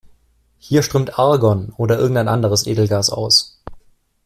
Hier strömt Argon oder irgendein anderes Edelgas aus.